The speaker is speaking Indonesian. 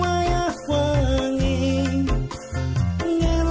matut subahduun melawan corona band klanger